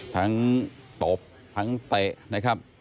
ทั้งตบทั้งแตะ